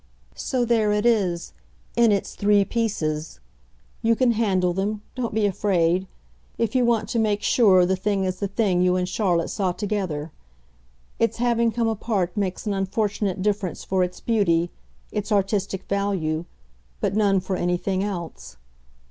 So there it is in its three pieces. You can handle them don't be afraid if you want to make sure the thing is the thing you and Charlotte saw together. Its having come apart makes an unfortunate difference for its beauty, its artistic value, but none for anything else.